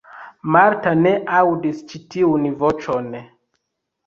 Marta ne aŭdis ĉi tiun voĉon.